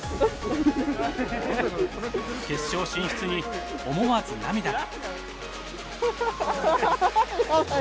決勝進出に思わず涙が。